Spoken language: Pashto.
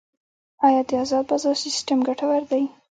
آیا د ازاد بازار سیستم ګټور دی؟